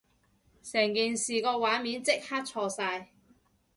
成件事個畫面即刻錯晒